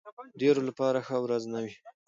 ډېرو لپاره ښه ورځ نه وي.